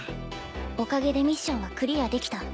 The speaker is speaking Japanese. おかげでミッションはクリアできた。